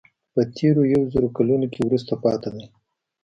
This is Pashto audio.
په تېرو یو زر کلونو کې وروسته پاتې ده.